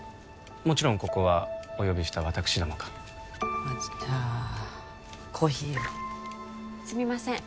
もちろんここはお呼びした私どもがじゃあコーヒーをすみません